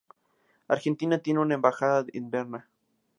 Argentina tiene una embajada en Berna.